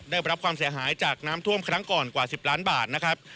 ได้รับความเสียหายจากน้ำท่วมครั้งก่อนกว่า๑๐ล้านบาทนะครับ